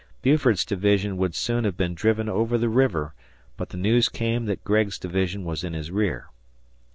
Buford's division would soon have been driven over the river, but the news came that Gregg's division was in his rear.